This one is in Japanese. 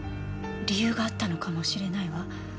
理由があったのかもしれないわ。